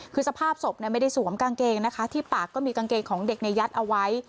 คือสภาพศพไม่ได้สวมกางเกงนะคะที่ปากก็มีกางเกงของเด็กในยัดเอาไว้